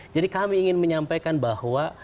jadi kami ingin menyampaikan bahwa